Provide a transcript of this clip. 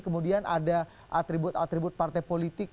kemudian ada atribut atribut partai politik